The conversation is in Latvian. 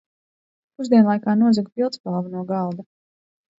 Pusdienlaikā nozaga pildspalvu no galda.